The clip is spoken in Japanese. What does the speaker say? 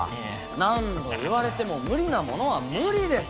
何度言われても無理なものは無理です。